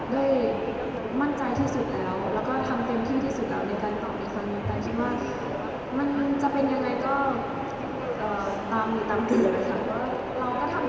ด้วยมั่นใจที่สุดแล้วแล้วก็ทำเต็มที่ที่สุดแล้วในการตอบในความเหมือนกันคิดว่ามันจะเป็นยังไงก็ตามหรือตามคือเลยครับ